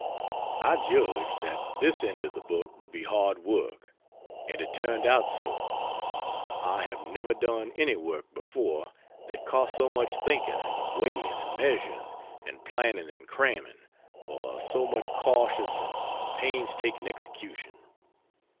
I judged that this end of the book would be hard work, and it turned out so. I have never done any work before that cost so much thinking and weighing and measuring and planning and cramming, or so much cautious and painstaking execution.